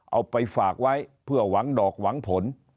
เอาไปฝากไว้เพื่อหวังดอกหวังผล